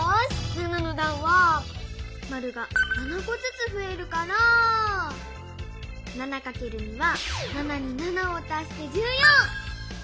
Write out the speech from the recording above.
７のだんはマルが７こずつふえるから７×２は７に７を足して１４。